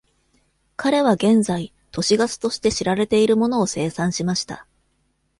彼は現在都市ガスとして知られているものを生産しました。